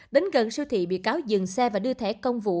đến gần siêu thị bị cáo dừng xe và đưa thẻ công vụ